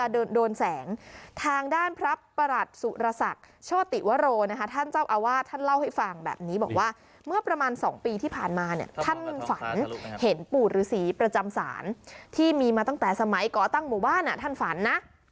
โดนแสงทางด้านพระประหลัดสุรศักดิ์โชติวโรนะคะท่านเจ้าอาวาสท่านเล่าให้ฟังแบบนี้บอกว่าเมื่อประมาณ๒ปีที่ผ่านมาเนี่ยท่านฝันเห็นปู่ฤษีประจำศาลที่มีมาตั้งแต่สมัยก่อตั้งหมู่บ้านท่านฝันนะ